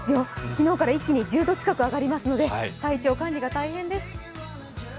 昨日から一気に１０度近く上がりますので体調管理が大変です。